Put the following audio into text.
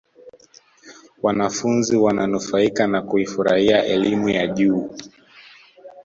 wanafunzi wananufaika na kuifurahia elimu ya juu